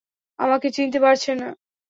আমাকে চিনতে পারছেন না?